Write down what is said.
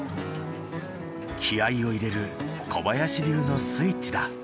気合いを入れる小林流のスイッチだ。